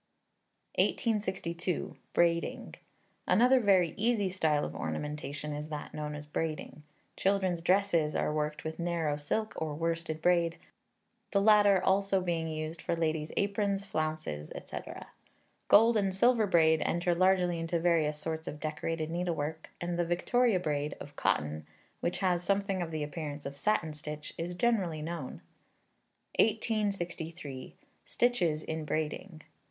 1862. Braiding. Another very easy style of ornamentation is that known as braiding. Children's dresses are worked with narrow silk or worsted braid, the latter being also used for ladies' aprons, flounces, &c. Gold and silver braid enter largely into various sorts of decorated needlework, and the Victoria braid, of cotton, which has something of the appearance of satin stitch, is generally known. 1863. Stitches in Braiding.